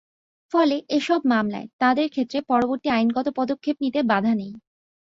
ফলে এসব মামলায় তাঁদের ক্ষেত্রে পরবর্তী আইনগত পদক্ষেপ নিতে বাধা নেই।